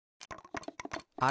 あれ？